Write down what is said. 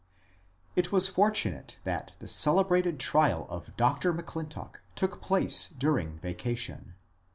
It was fortunate that the celebrated trial of Dr. M'Clintock took place during vacation.